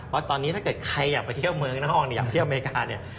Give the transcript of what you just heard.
ว่าตอนนี้ถ้าเกิดใครอยากไปเที่ยวเมืองนครอยากเที่ยวอเมริกาเนี่ย